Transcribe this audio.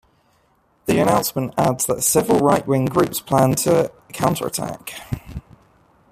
The announcement adds that several right-wing groups plan to counter-attack.